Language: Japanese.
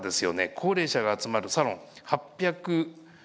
高齢者が集まるサロン８００以上ですね。